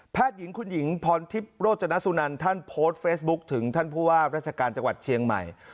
หญิงคุณหญิงพรทิพย์โรจนสุนันท่านโพสต์เฟซบุ๊คถึงท่านผู้ว่าราชการจังหวัดเชียงใหม่